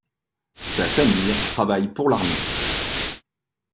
Sa famille travaille pour l'armée.